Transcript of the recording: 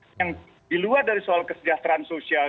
dan di luar dari soal kesejahteraan sosial